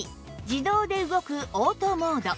自動で動くオートモード